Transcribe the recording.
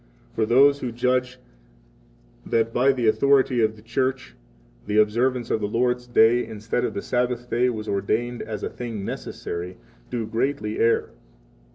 For those who judge that by the authority of the Church the observance of the Lord's Day instead of the Sabbath day was ordained as a thing necessary, 59 do greatly err.